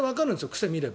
癖見れば。